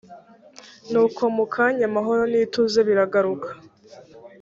nuko mu kanya amahoro n’ituze biragaruka